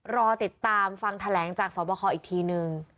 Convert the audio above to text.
เร้าติดตามฟังแถลงจากสวบว่าของอีกทีนึง